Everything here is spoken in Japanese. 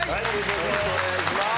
よろしくお願いします。